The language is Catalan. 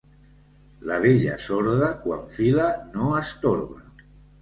La vella sorda, quan fila, no es torba.